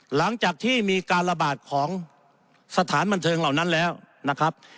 หลังจากที่มีการระบาดของสถานบันเทิงเหล่านั้นแล้วนะครับ